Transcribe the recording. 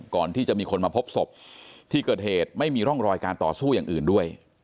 ก่อนที่จะมีคนมาพบศพที่เกิดเหตุไม่มีร่องรอยการต่อสู้อย่างอื่นด้วย